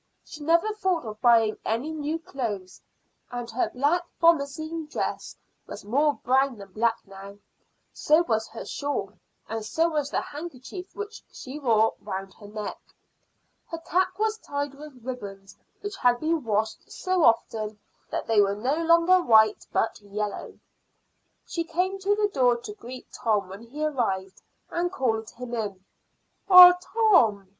She never thought of buying any new clothes, and her black bombazine dress was more brown than black now; so was her shawl, and so was the handkerchief which she wore round her neck. Her cap was tied with ribbons which had been washed so often that they were no longer white, but yellow. She came to the door to greet Tom when he arrived, and called him in. "Ah, Tom!"